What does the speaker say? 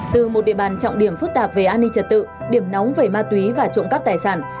từ một địa bàn trọng điểm phức tạp về an ninh trật tự điểm nóng về ma túy và trộm cắp tài sản